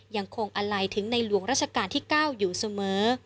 ยังคงอาลัยถึงในหลวงราชการที่๙อยู่เสมอ